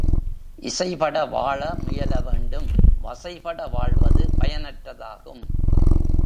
இசைபட வாழ முயல வேண்டும் வசைபட வாழ்வது பயனற்றதாகும்.